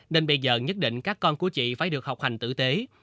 nên bây giờ nhất định các con của chị phải được học hành tử tế